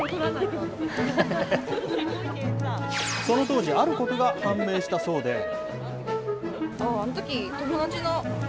その当時、あることが判明したそうで。